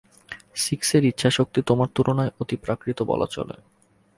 সিক্সের ইচ্ছাশক্তি তোমার তুলনায় অতিপ্রাকৃত বলা চলে।